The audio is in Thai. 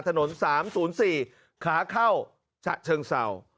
ถนน๓๐๔ขาเข้าฉะเชิงเศร้า